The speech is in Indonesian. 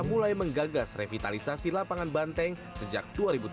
mulai menggagas revitalisasi lapangan banteng sejak dua ribu tujuh belas